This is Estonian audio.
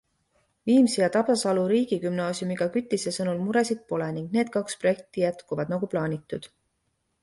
Viimsi ja Tabasalu riigigümnaasiumiga Küttise sõnul muresid pole ning need kaks projekti jätkuvad, nagu plaanitud.